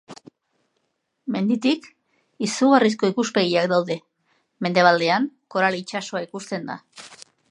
Menditik izugarrizko ikuspegiak daude; mendebaldean Koral itsasoa ikusten da.